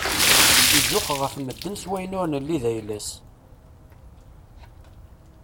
Izux ɣef madden s wayen ur nelli d ayla-s.